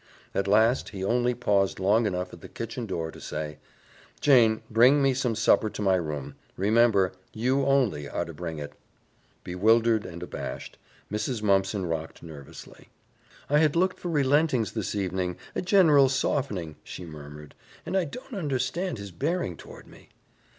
At last, he only paused long enough at the kitchen door to say, "Jane, bring me some supper to my room. Remember, you only are to bring it." Bewildered and abashed, Mrs. Mumpson rocked nervously. "I had looked for relentings this evening, a general softening," she murmured, "and I don't understand his bearing toward me."